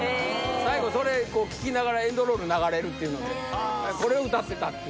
最後それ聴きながらエンドロール流れるっていうのでこれを歌ってたっていうへえ